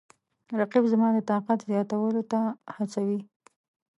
رقیب زما د طاقت زیاتولو ته هڅوي